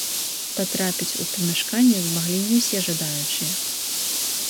Патрапіць у памяшканне змаглі не ўсе жадаючыя.